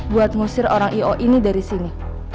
buat ngusir orang io ini dari sini